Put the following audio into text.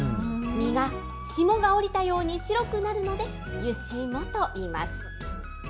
身が霜が降りたように白くなるので、湯霜といいます。